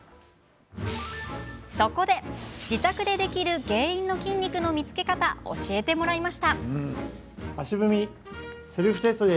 そこで、自宅でできる原因の筋肉の見つけ方教えてもらいました。